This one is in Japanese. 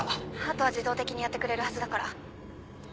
あとは自動的にやってくれるはずだから。